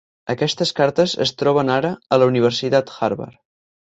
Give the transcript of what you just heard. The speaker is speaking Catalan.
Aquestes cartes es troben ara a la Universitat Harvard.